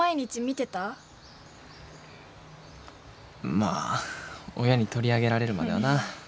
まあ親に取り上げられるまではな。